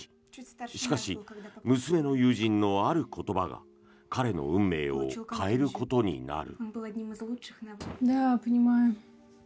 しかし、娘の友人のある言葉が彼の運命を変えることになる。